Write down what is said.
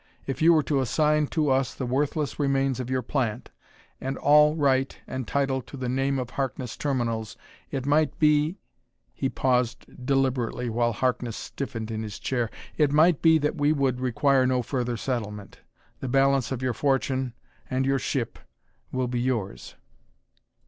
If you were to assign to us the worthless remains of your plant, and all right and title to the name of Harkness Terminals, it might be " He paused deliberately while Harkness stiffened in his chair. "It might be that we would require no further settlement. The balance of your fortune and your ship will be yours."